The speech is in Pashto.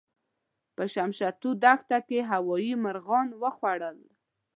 په شمشتو دښته کې هوايي مرغانو وخوړل.